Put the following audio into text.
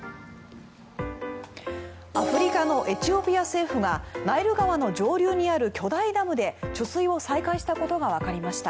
アフリカのエチオピア政府がナイル川の上流にある巨大ダムで貯水を再開したことがわかりました。